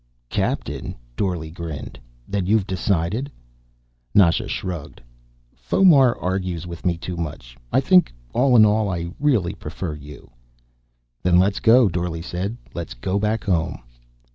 "Captain?" Dorle grinned. "Then you've decided." Nasha shrugged. "Fomar argues with me too much. I think, all in all, I really prefer you." "Then let's go," Dorle said. "Let's go back home."